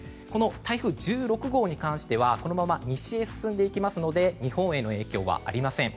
台風１６号に関してはこのまま西へ進んでいきますので日本への影響はありません。